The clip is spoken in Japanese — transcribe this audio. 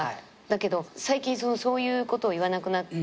だけど最近そういうことを言わなくなって。